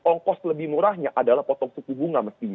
ongkos lebih murahnya adalah potong suku bunga mestinya